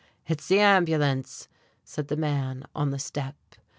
"It's the ambulance," said the man on the step.